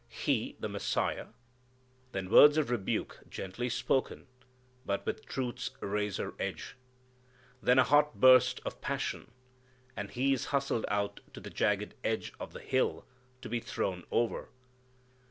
"He the Messiah!" Then words of rebuke gently spoken, but with truth's razor edge. Then a hot burst of passion, and He is hustled out to the jagged edge of the hill to be thrown over.